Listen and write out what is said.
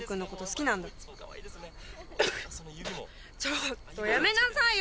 ちょっとやめなさいよ。